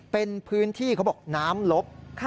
เป็นพื้นที่เขาบอกน้ำลบ